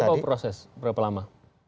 berapa proses berapa lama